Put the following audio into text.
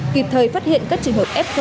kịp thời phát hiện các trường hợp f